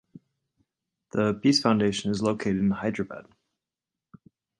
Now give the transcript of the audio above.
The peace foundation is located in Hyderabad.